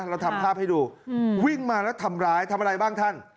เราทำภาพให้ดูวิ่งมาแล้วทำร้ายทำอะไรบ้างท่าน